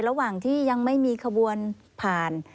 ระหว่างที่ยังไม่มีขบวนผ่าน